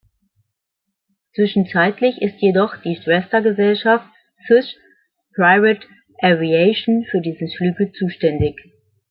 Zwischenzeitlich ist jedoch die Schwestergesellschaft Swiss Private Aviation für diese Flüge zuständig.